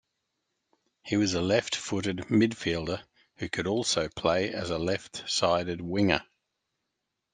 He was a left-footed midfielder who could also play as a left sided winger.